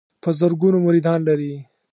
په زرګونو مریدان لري.